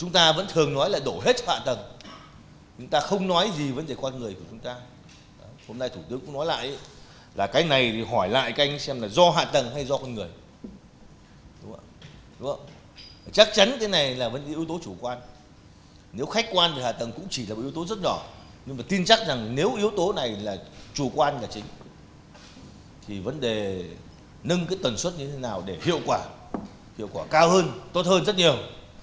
tin chắc rằng nếu yếu tố này là chủ quan là chính thì vấn đề nâng tần suất như thế nào để hiệu quả cao hơn tốt hơn rất nhiều